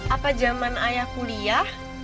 apa jaman ayah kuliah